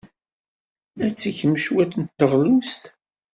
Ad d-tgemt cwiṭ n teɣlust.